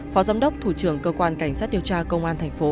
phó giám đốc thủ trưởng cơ quan cảnh sát điều tra công an thành phố